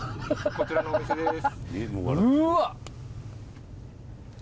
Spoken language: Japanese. こちらのお店です。